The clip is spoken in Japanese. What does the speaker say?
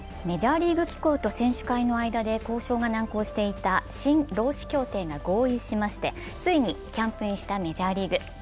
メジャーリーグ機構と選手会の間で交渉が難航していた新労使協定が合意しまして、ついにキャンプインしたメジャーリーグ。